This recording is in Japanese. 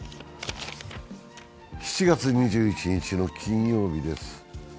７月２１日の金曜日です。